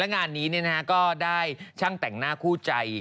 งานนี้ก็ได้ช่างแต่งหน้าคู่ใจ